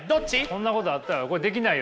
こんなことあったらこれできないよ。